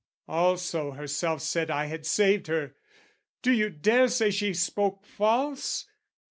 Also herself said I had saved her: do you dare say she spoke false?